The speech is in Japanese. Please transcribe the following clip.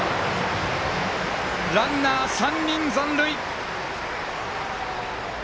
ランナー３人残塁。